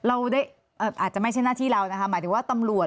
อาจจะไม่ใช่หน้าที่เรานะคะหมายถึงว่าตำรวจ